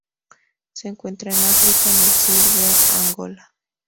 Se encuentra en África, en el sur de Angola.